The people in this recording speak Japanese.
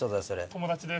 友達です。